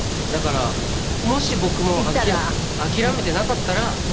だからもし僕も諦めてなかったら。